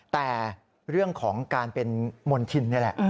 แต่เรื่องของการเป็นมณฑินนี่แหละ